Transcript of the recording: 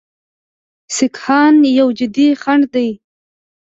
سیکهان یو جدي خنډ دی.